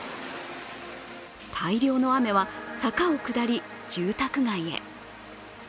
大量の雨は、坂を下り住宅街へ。